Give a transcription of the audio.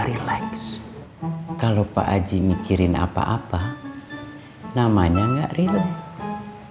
relax kalau pak aji mikirin apa apa namanya gak relax